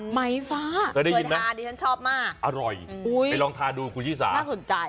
ไฟฟ้าเคยได้ยินมาดิฉันชอบมากอร่อยไปลองทานดูคุณชิสาน่าสนใจ